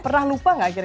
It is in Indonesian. pernah lupa gak kira kira